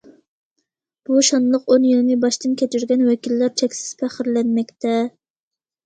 بۇ شانلىق ئون يىلنى باشتىن كەچۈرگەن ۋەكىللەر چەكسىز پەخىرلەنمەكتە.